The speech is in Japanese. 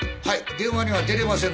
電話には出れませんので。